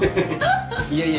いやいや。